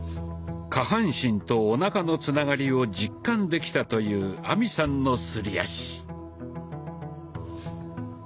下半身とおなかのつながりを実感できたという亜美さんのすり足。